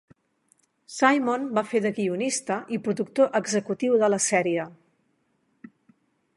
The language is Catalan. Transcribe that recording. Simon va fer de guionista i productor executiu de la sèrie.